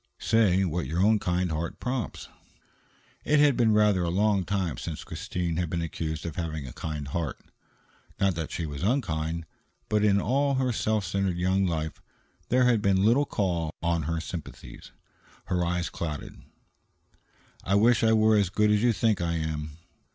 "Say what your own kind heart prompts." It had been rather a long time since Christine had been accused of having a kind heart. Not that she was unkind, but in all her self centered young life there had been little call on her sympathies. Her eyes clouded. "I wish I were as good as you think I am."